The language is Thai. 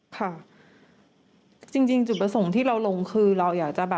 ค่ะจริงจุดประสงค์ที่เราลงคือเราอยากจะแบบ